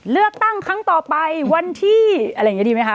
เลือกตั้งครั้งต่อไปวันที่อะไรอย่างนี้ดีไหมคะ